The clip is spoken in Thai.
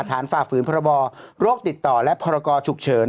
ฝ่าฝืนพรบโรคติดต่อและพรกรฉุกเฉิน